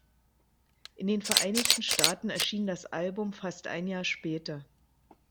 In den Vereinigten Staaten erschien das Album fast ein Jahr später.